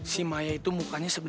si maya itu mukanya sebenarnya